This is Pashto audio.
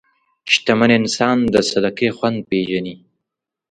شتمن انسان د صدقې خوند پېژني.